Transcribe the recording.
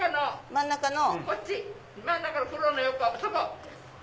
真ん中の黒の横そこ。